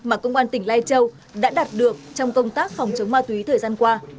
mà công an tỉnh lai châu đã đạt được trong công tác phòng chống ma túy thời gian qua